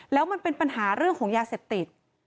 แล้วมันเป็นปัญหาเรื่องของยาเสพติด